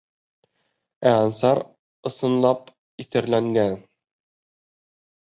Ә Ансар, ысынлап, иҫәрләнгән.